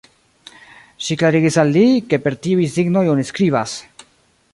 Ŝi klarigis al li, ke per tiuj signoj oni skribas.